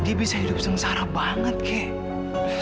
dia bisa hidup sengsara banget kek